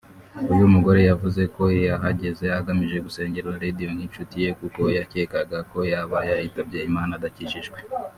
uyu mugore yavuze ko yahageze agamije gusengera Radio nk’inshuti ye kuko yakekaga ko yaba yaritabye Imana adakijijwe